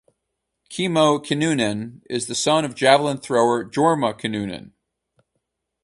Kimmo Kinnunen is son of javelin thrower Jorma Kinnunen.